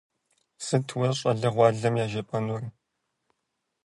Сыт уэ щӏалэгъуалэм яжепӏэжынур?